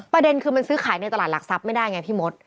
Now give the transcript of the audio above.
ประเด็นคือมันซื้อขายในตลาดหลักทรัพย์ไม่ได้ไงพี่มด